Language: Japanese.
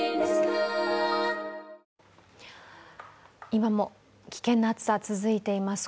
今も危険な暑さ、続いています。